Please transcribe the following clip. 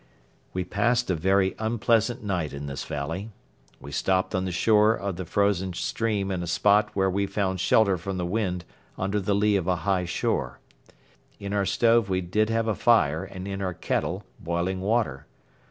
We passed a very unpleasant night in this valley. We stopped on the shore of the frozen stream in a spot where we found shelter from the wind under the lee of a high shore. In our stove we did have a fire and in our kettle boiling water.